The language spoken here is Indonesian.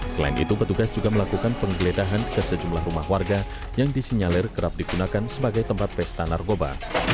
selain itu petugas juga melakukan penggeledahan ke sejumlah rumah warga yang disinyalir kerap digunakan sebagai tempat pesta narkoba